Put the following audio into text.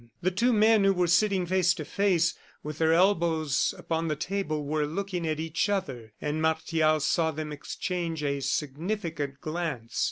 The two men who were sitting face to face, with their elbows upon the table, were looking at each other; and Martial saw them exchange a significant glance.